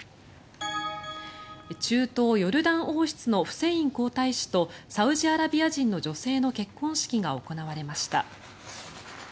中東ヨルダン王室のフセイン皇太子とサウジアラビア人の女性の結婚式が行われました。